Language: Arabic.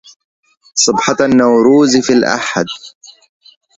صبحة النوروز في الأحد